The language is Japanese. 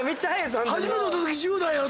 初めて会うたとき１０代やろ？